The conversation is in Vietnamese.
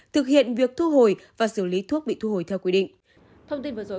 thực hiện việc thu hồi và xử lý thuốc bị thu hồi theo quy định